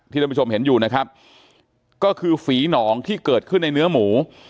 ท่านผู้ชมเห็นอยู่นะครับก็คือฝีหนองที่เกิดขึ้นในเนื้อหมู